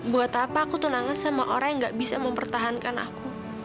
buat apa aku tunangan sama orang yang gak bisa mempertahankan aku